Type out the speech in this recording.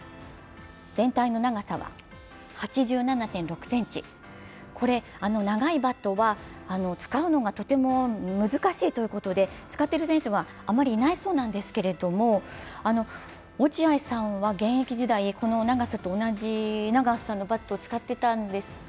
全体の長さは８７．６ｃｍ、これ、長いバットは使うのがとても難しいということで使っている選手は、あまりいないそうなんですけれども落合さんは現役時代、この長さと同じ長さのバットを使ってたんですか？